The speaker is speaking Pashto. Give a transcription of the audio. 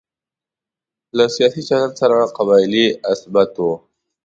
له سیاسي چلن سره قبایلي عصبیت کوو.